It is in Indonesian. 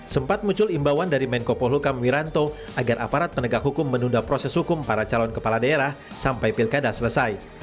sempat muncul imbauan dari menko polhukam wiranto agar aparat penegak hukum menunda proses hukum para calon kepala daerah sampai pilkada selesai